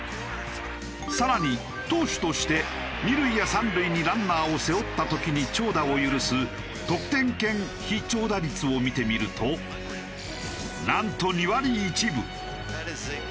更に投手として２塁や３塁にランナーを背負った時に長打を許す得点圏被長打率を見てみるとなんと２割１分。